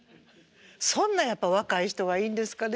そんなやっぱ若い人がいいんですかね？